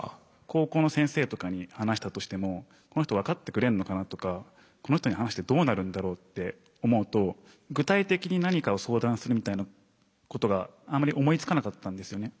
高校の先生とかに話したとしてもこの人分かってくれんのかなとかこの人に話してどうなるんだろうって思うと具体的に何かを相談するみたいなことがあまり思いつかなかったんですよね。